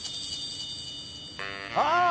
ああ！